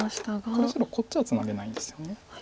この白こっちはツナげないんですよね。